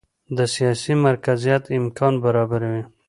د سیاسي مرکزیت امکان برابروي.